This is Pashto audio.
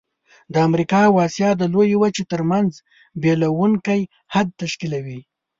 د امریکا او آسیا د لویې وچې ترمنځ بیلوونکی حد تشکیلوي.